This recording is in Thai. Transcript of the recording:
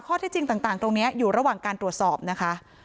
ที่จริงต่างตรงนี้อยู่ระหว่างการตรวจสอบนะคะ